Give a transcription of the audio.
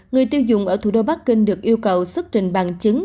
người tiêu dùng ở thủ đô bắc kinh được yêu cầu xuất trình bằng chứng